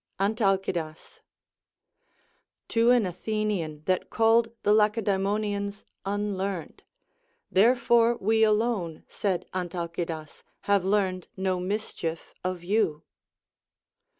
Antalcidas. To an Athenian that called the Lacedae monians unlearned, Therefore we alone, said Antalcidas, have learned no mischief of you.